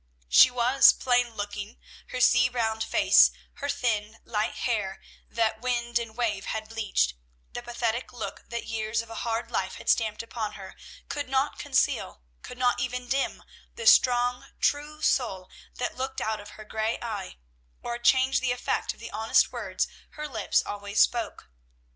She was plain looking; her sea browned face, her thin, light hair that wind and wave had bleached, the pathetic look that years of a hard life had stamped upon her, could not conceal, could not even dim, the strong, true soul that looked out of her gray eye, or change the effect of the honest words her lips always spoke.